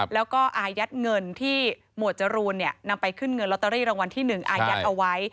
แล้วก็อายัดเงินที่หมวดจรูนนำไปขึ้นเงินลอตเตอรี่รางวัลที่๑อายัดเอาไว้